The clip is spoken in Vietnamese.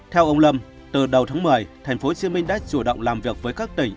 theo ông lâm từ đầu tháng một mươi tp hcm đã chủ động làm việc với các tỉnh